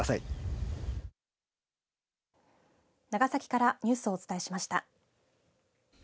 長崎からニュースをお伝えしました。